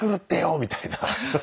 みたいな。